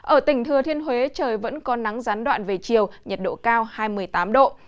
ở tỉnh thừa thiên huế trời vẫn có nắng gián đoạn về chiều nhiệt độ cao hai mươi tám độ